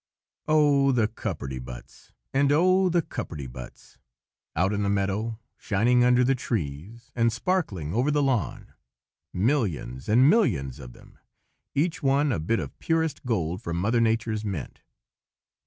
OH! the cupperty buts! and oh! the cupperty buts! out in the meadow, shining under the trees, and sparkling over the lawn, millions and millions of them, each one a bit of purest gold from Mother Nature's mint.